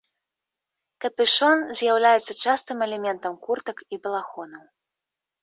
Капюшон з'яўляецца частым элементам куртак і балахонаў.